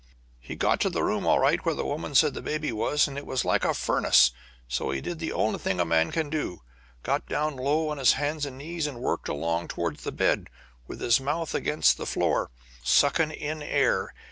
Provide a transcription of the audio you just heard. He got to the room all right where the woman said her baby was, and it was like a furnace; so he did the only thing a man can do got down low on his hands and knees and worked along toward the bed, with his mouth against the floor, sucking in air.